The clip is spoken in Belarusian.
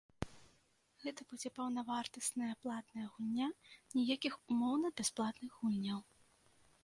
Гэта будзе паўнавартасная платная гульня, ніякіх умоўна-бясплатных гульняў.